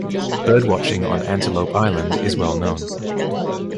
Birdwatching on Antelope Island is well known.